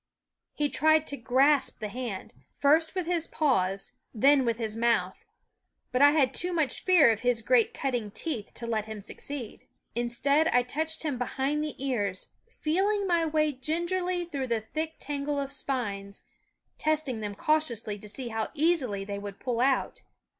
He tried to grasp the hand, first with his paws, then with his mouth ; but I had too much fear of his great cutting teeth to let him succeed. Instead I touched him behind the ears, feeling my way gingerly through the thick tangle of spines, testing them cautiously to see how easily they would pull out.